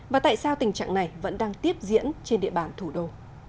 và tại sao tình trạng này vẫn đang tiếp diễn trên địa bàn thủ đô